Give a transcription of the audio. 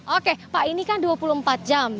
oke pak ini kan dua puluh empat jam